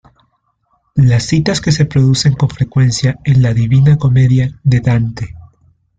Las citas de que se producen con frecuencia en la "Divina Comedia" de Dante.